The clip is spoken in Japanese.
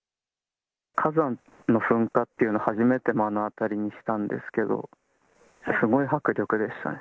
火山の噴火っていうのを初めて目の当たりにしたんですけど、すごい迫力でしたね。